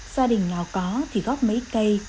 gia đình nào có thì góp mấy cây